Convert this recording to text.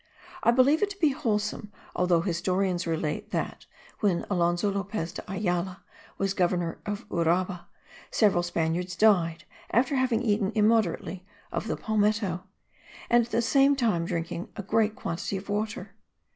I believe it to be wholesome although historians relate that, when Alonso Lopez de Ayala was governor of Uraba, several Spaniards died after having eaten immoderately of the palmetto, and at the same time drinking a great quantity of water.